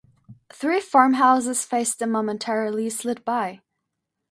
Three farmhouses faced them momentarily, slid by.